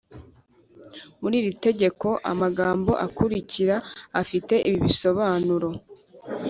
muri iri tegeko, amagambo akurikira afite ibi bisobanuro: